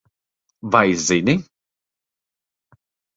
Vai zini?